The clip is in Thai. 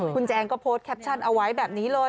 คุณแจงก็โพสต์แคปชั่นเอาไว้แบบนี้เลย